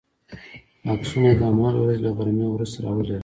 عکسونه یې د هماغې ورځې له غرمې وروسته را ولېږل.